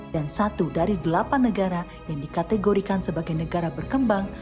dan satu dari delapan negara yang dikategorikan sebagai negara berkembang